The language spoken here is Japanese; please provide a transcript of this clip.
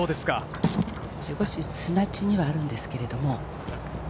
少し砂地にあるんですけれど。